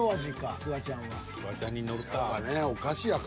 フワちゃんに乗るか。